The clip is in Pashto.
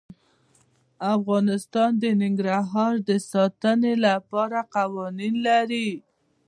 افغانستان د ننګرهار د ساتنې لپاره قوانین لري.